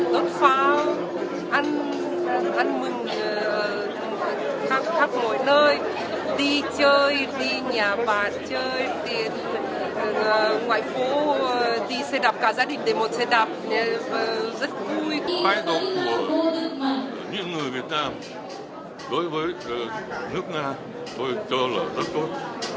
tài độc của những người việt nam đối với nước nga tôi cho là rất tốt